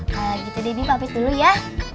kalau gitu debbie papit dulu ya